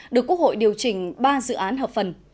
được quốc hội điều chỉnh ba dự án hợp phần